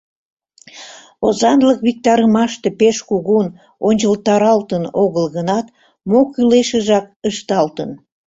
Озанлык виктарымаште пеш кугун ончылтаралтын огыл гынат, мо кӱлешыжак ышталтын!